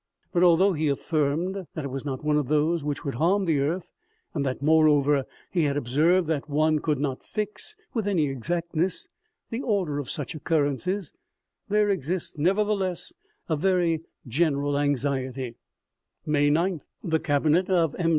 But although he affirmed that it was not one of those which would harm the earth, and that, moreover, he had observed that one could not fix, with any exactness, the order of such occurrences, there exists, nevertheless, a very general anxiety, " May 9th. The cabinet of M.